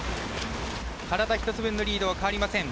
体１つ分のリードは変わりません。